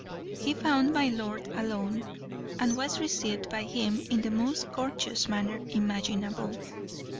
He found my lord alone, and was received by him in the most courteous manner imaginable.